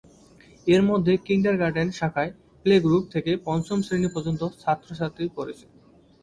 এর মধ্যে কিন্ডারগার্টেন শাখায় "প্লে গ্রুপ" থেকে পঞ্চম শ্রেণী পর্যন্ত ছাত্র-ছাত্রী পড়ছে।